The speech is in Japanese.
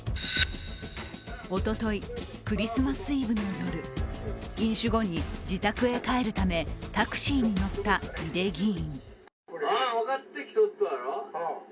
おととい、クリスマスイブの夜飲酒後に自宅へ帰るためタクシーに乗った井手議員。